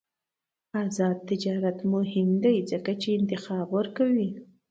آزاد تجارت مهم دی ځکه چې انتخاب ورکوي.